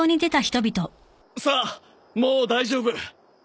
さあもう大丈夫。